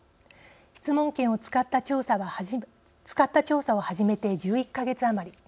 質問権を使った調査を始めて１１か月余り。